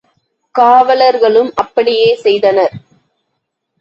காவலர்களும் அப்படியே செய்தனர்.